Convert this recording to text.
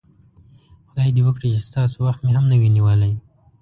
خدای دې وکړي چې ستاسو وخت مې هم نه وي نیولی.